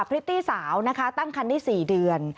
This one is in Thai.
พริตตี้สาวนะคะตั้งคันได้๔เดือน